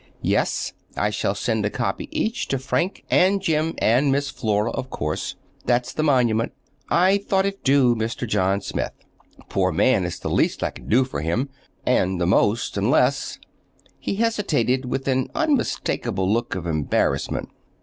"Yes. I shall send a copy each to Frank and Jim and Miss Flora, of course. That's the monument. I thought it due—Mr. John Smith. Poor man, it's the least I can do for him—and the most—unless—" He hesitated with an unmistakable look of embarrassment.